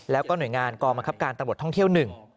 แล้วก็หน่วยงานกองบังคับการตำรวจท่องเที่ยว๑